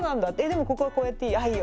でもここはこうやっていい？」